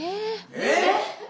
えっ⁉